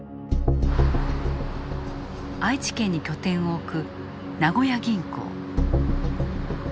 愛知県に拠点を置く名古屋銀行。